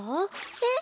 えっ？